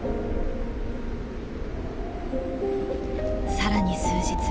更に数日。